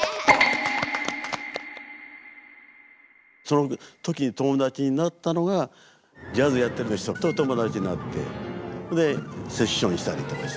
その時友達になったのがジャズやってる人と友達になって。でセッションしたりとかして。